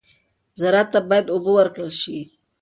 زراعت ته باید اوبه ورکړل شي.